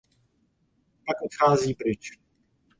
Pak odchází pryč.